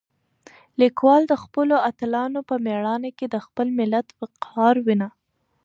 لیکوال د خپلو اتلانو په مېړانه کې د خپل ملت وقار وینه.